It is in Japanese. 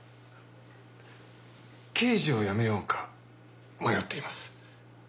刑事を辞めようか迷っています。